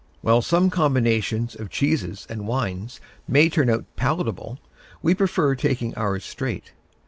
While some combinations of cheeses and wines may turn out palatable, we prefer taking ours straight.